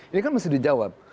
ini kan mesti dijawab